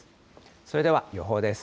それでは予報です。